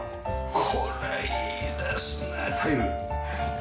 これいいですねタイル。